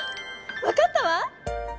わかったわ！